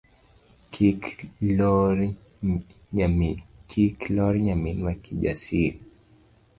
Kiki lor nyaminwa Kijasiri.